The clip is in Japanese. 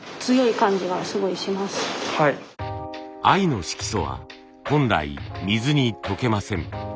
藍の色素は本来水に溶けません。